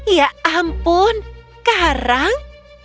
ya ampun karang